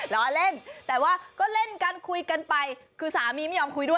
ล้อเล่นแต่ว่าก็เล่นกันคุยกันไปคือสามีไม่ยอมคุยด้วย